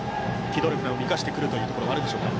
機動力を生かしてくるところあるんでしょうか。